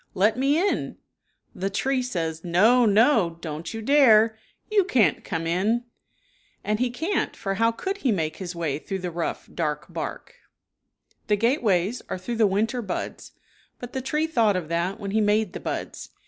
Let me in," the tree says, "No! No! Don't you dare! You can't come in," and he can't, for how could he make his way through the rough, dark bark.i* Winter bld. ^he gateways are through the winter buds, but the tree thought of that when he made the buds.